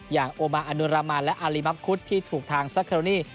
อย่างโอมาอนุรามานและอารีมัมคุดที่ถูกทางซักโครนี่